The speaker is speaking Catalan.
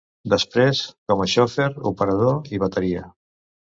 Després, com a xofer, operador i bateria.